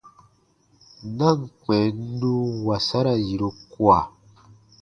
Na ǹ kpɛ̃ n nun wasara yiru kua.